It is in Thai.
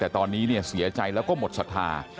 แต่ตอนนี้เสียใจแล้วก็หมดศรัทธา